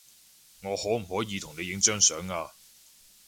我可唔可以同你影張相呀